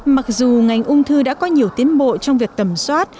mặc dù ngành ung thư đã có nhiều tiến bộ trong việc tầm soát